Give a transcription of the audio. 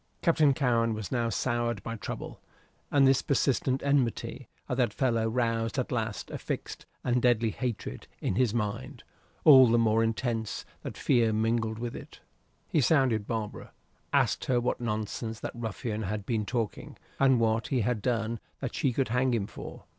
Captain Cowen was now soured by trouble, and this persistent enmity of that fellow roused at last a fixed and deadly hatred in his mind, all the more intense that fear mingled with it. He sounded Barbara; asked her what nonsense that ruffian had been talking, and what he had done that she could hang him for.